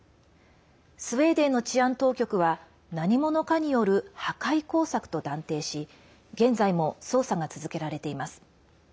スウェーデンの治安当局は何者かによる破壊工作と断定し現在も捜査が続けられています。